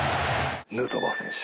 ヌートバー選手。